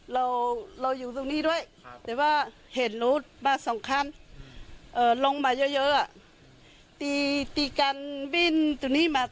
พอแล้วลูกชายตีแค่นี้พอแล้วขอขอนะตีแค่นี้พอแล้ว